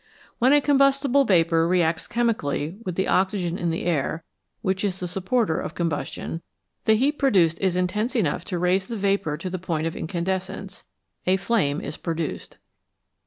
When a combustible vapour re acts chemically with the oxygen in the air, which is the supporter of com bustion, the heat produced is intense enough to raise the vapour to the point of incandescence a flame is pro duced.